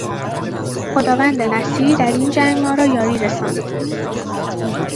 خداوند نصیر در این جنگ ما را یاری رساند.